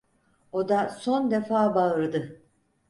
O da son defa bağırdı.